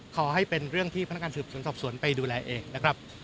ขอให้เป็นเรื่องที่พนักงานสืบสวนสอบสวนไปดูแลเองนะครับ